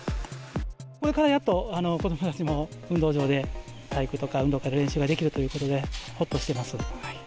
これからやっと子どもたちも運動場で、体育とか運動会の練習ができるということで、ほっとしてます。